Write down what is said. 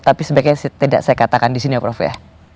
tapi sebaiknya tidak saya katakan di sini ya prof ya